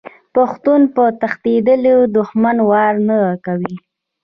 پښتون په تښتیدلي دښمن وار نه کوي.